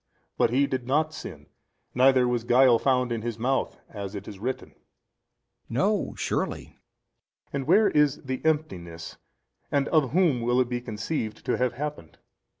But He did not sin neither was guile found in His mouth, as it is written. b. No surely. A. And where is the emptiness? and of whom will it be conceived to have happened?